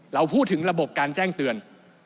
เราพูดถึงระบบการแจ้งเตือน